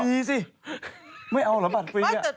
ดีสิไม่เอาแล้วปัดฟรีอ่ะ